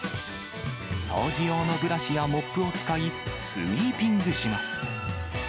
掃除用のブラシやモップを使い、スイーピングします。